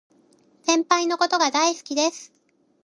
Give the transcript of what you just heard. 先輩のことが大好きです